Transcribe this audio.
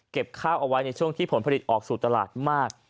ข้าวเอาไว้ในช่วงที่ผลผลิตออกสู่ตลาดมาก